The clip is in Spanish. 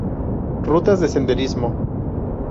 Rutas de Senderismo.